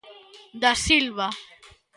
Dasilva.